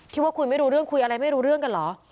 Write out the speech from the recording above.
ว่าคุยไม่รู้เรื่องคุยอะไรไม่รู้เรื่องกันเหรอ